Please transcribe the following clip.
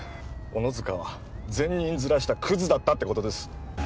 小野塚は善人面したクズだったってことです